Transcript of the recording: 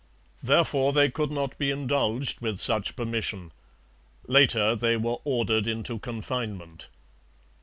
Therefore they could not be indulged with such permission. Later they were ordered into confinement.